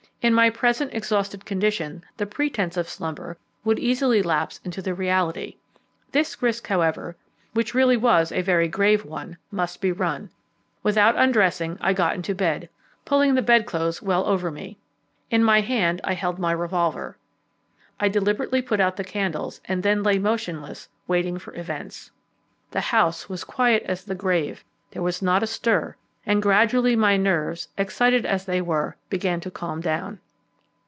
In my present exhausted condition the pretence of slumber would easily lapse into the reality. This risk, however, which really was a very grave one, must be run. Without undressing I got into bed, pulling the bed clothes well over me. In my hand I held my revolver. I deliberately put out the candles, and then lay motionless, waiting for events. The house was quiet as the grave there was not a stir, and gradually my nerves, excited as they were, began to calm down.